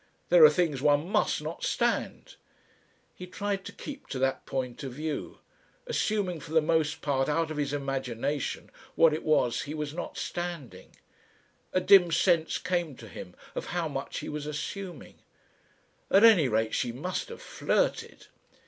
There are things one must not stand." He tried to keep to that point of view assuming for the most part out of his imagination what it was he was not standing. A dim sense came to him of how much he was assuming. At any rate she must have flirted!...